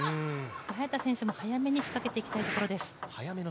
早田選手も早めに仕掛けていきたいところです。